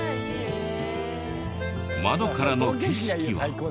窓からの景色は。